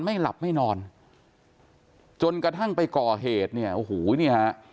ไม่หลับไม่นอนจนกระทั่งไปก่อเหตุเนี่ยโอ้โหนี่ฮะ